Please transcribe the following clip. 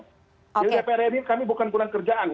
jadi prn ini kami bukan kurang kerjaan